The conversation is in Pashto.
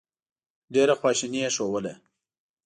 ډېره خواشیني یې ښودله.